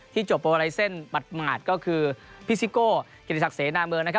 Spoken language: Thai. ที่จบโปรไลเซ็นต์ปัดหมาดก็คือพิซิโก่เกรดิศักดิ์เสนาเมิร์นะครับ